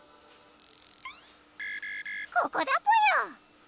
ここだぽよ！